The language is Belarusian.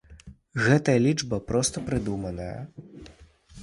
Гэтая лічба проста прыдуманая?